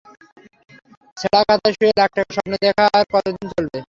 ছেঁড়া কাঁথায় শুয়ে লাখ টাকার স্বপ্ন দেখা আর কতদিন চলবে?